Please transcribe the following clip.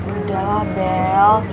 udah lah bel